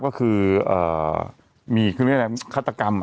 ก็คือเอ่อมีคุณพี่แม่คัตกรรมอะ